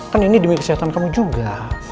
kan ini demi kesehatan kamu juga